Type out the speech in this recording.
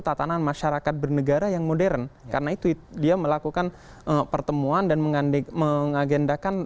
tatanan masyarakat bernegara yang modern karena itu dia melakukan pertemuan dan mengande mengagendakan